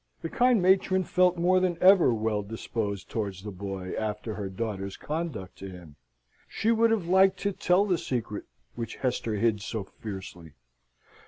The kind matron felt more than ever well disposed towards the boy, after her daughter's conduct to him. She would have liked to tell the secret which Hester hid so fiercely.